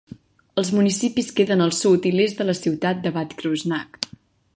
Els municipis queden al sud i l'est de la ciutat de Bad Kreuznach.